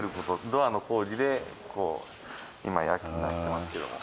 ドアの工事で今夜勤になってますけども。